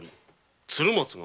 鶴松が。